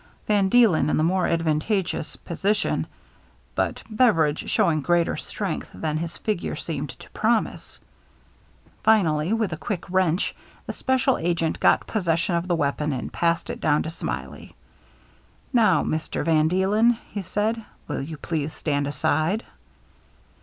Van Deelcn in the more advan tageous position, but Beveridg'e showing greater strength than his figure seemed to promise. Finally, with a quick wrench, the special agent got possession of the weapon and passed it down to Smiley. " Now, Mister van Dee len," he said, " will you please stand aside